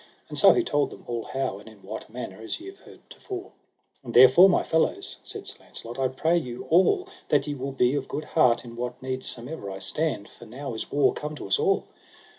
And so he told them all how and in what manner, as ye have heard to fore. And therefore, my fellows, said Sir Launcelot, I pray you all that ye will be of good heart in what need somever I stand, for now is war come to us all.